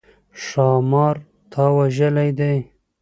ښامار تا وژلی دی؟